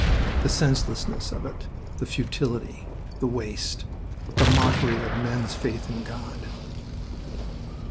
The senselessness of it! The futility! The waste! The mockery of men's faith in God!...